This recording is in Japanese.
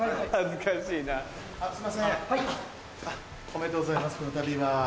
おめでとうございます